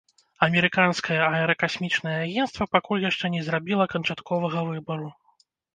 Амерыканскае аэракасмічнае агенцтва пакуль яшчэ не зрабіла канчатковага выбару.